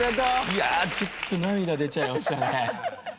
いやあちょっと涙出ちゃいましたね。